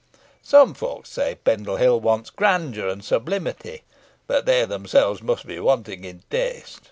Some folks say Pendle Hill wants grandeur and sublimity, but they themselves must be wanting in taste.